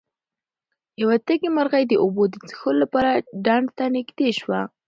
یوه تږې مرغۍ د اوبو د څښلو لپاره ډنډ ته نږدې شوه.